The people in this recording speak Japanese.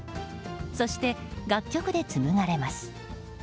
そして楽曲で紡がれます。